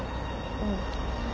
うん。